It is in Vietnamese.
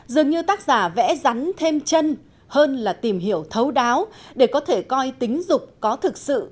dường như tác giả vẽ rắn thêm chân hơn là tìm hiểu thấu đáo để có thể coi tính dục có thực sự